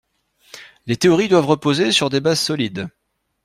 les théories doivent reposer sur des bases solides